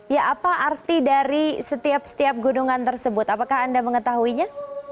ya apa arti dari setiap setiap gunungan tersebut apakah anda mengetahuinya